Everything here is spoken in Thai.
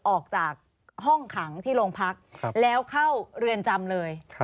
ออกจากห้องขังที่โรงพักแล้วเข้าเรือนจำเลย